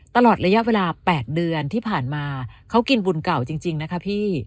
ตลอดระยะเวลา๘เดือนที่ผ่านมาเขากินบุญเก่าจริงนะคะพี่